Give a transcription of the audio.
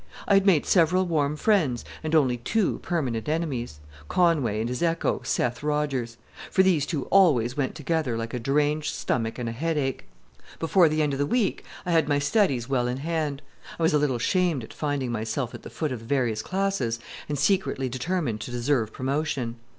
I had made several warm friends and only two permanent enemies Conway and his echo, Seth Rodgers; for these two always went together like a deranged stomach and a headache. Before the end of the week I had my studies well in hand. I was a little ashamed at finding myself at the foot of the various classes, and secretly determined to deserve promotion.